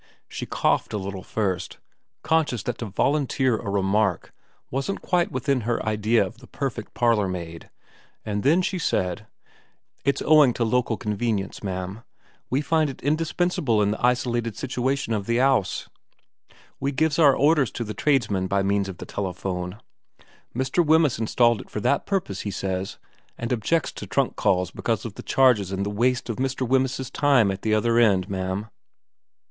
She coughed a little first, conscious that to volunteer a remark wasn't quite within her idea of the perfect parlourmaid, and then she said, ' It's owing to local convenience, ma'am. We find it indispensable in the isolated situation of the 'ouse. We gives our orders 302 VERA xxvn to the tradesmen by means of the telephone. Mr. Wemyss installed it for that purpose, he says, and objects to trunk calls because of the charges and the waste of Mr. Wemyss's time at the other end, ma'am.'